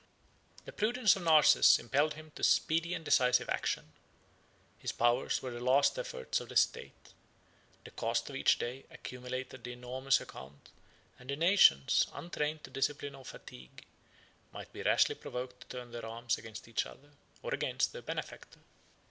The prudence of Narses impelled him to speedy and decisive action. His powers were the last effort of the state; the cost of each day accumulated the enormous account; and the nations, untrained to discipline or fatigue, might be rashly provoked to turn their arms against each other, or against their benefactor.